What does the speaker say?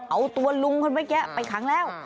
อ๋อเอาตัวลุงเขาไว้แกะไปขังแล้ว